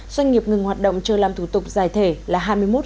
doanh nghiệp ngừng hoạt động chờ làm thủ tục dài thể là hai mươi một tám trăm linh